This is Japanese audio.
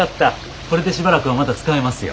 これでしばらくはまだ使えますよ。